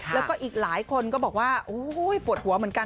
แล้วก็อีกหลายคนก็บอกว่าโอ้โหปวดหัวเหมือนกัน